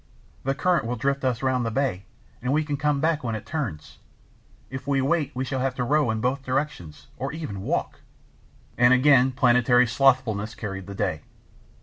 The current will drift us round the bay, and we can come back when it turns. If we wait we shall have to row in both directions, or even walk," and again planetary slothfulness carried the day.